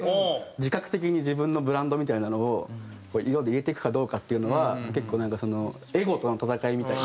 自覚的に自分のブランドみたいなのを色で入れていくかどうかっていうのは結構なんかエゴとの戦いみたいな。